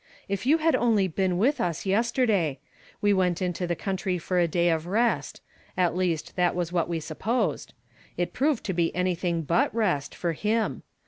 If you had only been .. .u us yesterday ! We went into the country for a :ay of rest. At least t.jat was what we supposed. It proved to be anything but rest, for him.